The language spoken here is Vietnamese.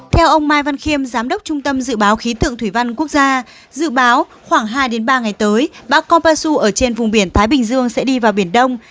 theo ông mai văn khiêm giám đốc trung tâm dự báo khí tượng thủy văn quốc gia dự báo khoảng hai ba ngày tới bão kompasu ở trên vùng biển thái bình dương sẽ đi vào biển đông